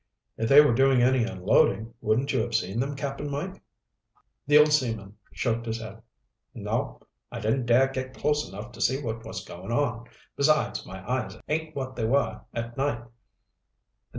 "If they were doing any unloading, wouldn't you have seen them, Cap'n Mike?" The old seaman shook his head. "Nope. I didn't dare get close enough to see what was going on. Besides, my eyes ain't what they were at night.